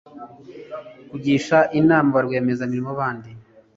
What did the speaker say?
Kugisha inama ba rwiyemezamirimo bandi